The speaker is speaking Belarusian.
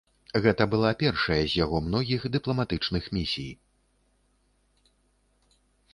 Гэта была першая з яго многіх дыпламатычных місій.